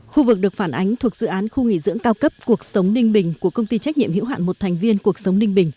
khu vực được phản ánh thuộc dự án khu nghỉ dưỡng cao cấp cuộc sống ninh bình của công ty trách nhiệm hữu hạn một thành viên cuộc sống ninh bình